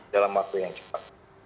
dalam waktu yang cepat